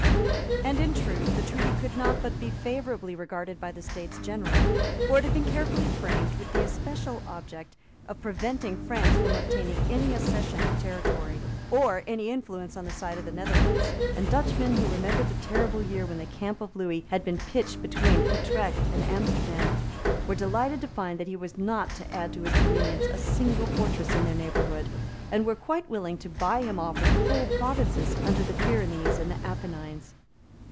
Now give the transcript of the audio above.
And in truth the treaty could not but be favourably regarded by the States General; for it had been carefully framed with the especial object of preventing France from obtaining any accession of territory, or influence on the side of the Netherlands; and Dutchmen, who remembered the terrible year when the camp of Lewis had been pitched between Utrecht and Amsterdam, were delighted to find that he was not to add to his dominions a single fortress in their neighbourhood, and were quite willing to buy him off with whole provinces under the Pyrenees and the Apennines.